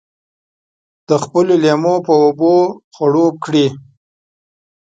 د خپلو لېمو په اوبو خړوب کړي.